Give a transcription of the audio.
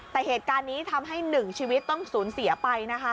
แต่เหตุการณ์นี้ทำให้๑ชีวิตต้องสูญเสียไปนะคะ